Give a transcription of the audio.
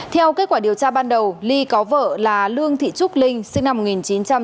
theo kết quả điều tra ban đầu ly có vợ là lương thị trúc linh sinh năm một nghìn chín trăm tám mươi